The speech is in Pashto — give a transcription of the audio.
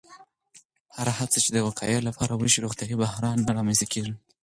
هره هڅه چې د وقایې لپاره وشي، روغتیایي بحران نه رامنځته کېږي.